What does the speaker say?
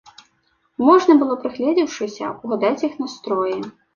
Можна было, прыгледзеўшыся, угадаць іх настроі.